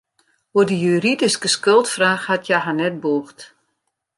Oer de juridyske skuldfraach hat hja har net bûgd.